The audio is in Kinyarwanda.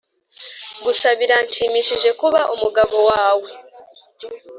gusa biranshimishije kuba umugabo wawe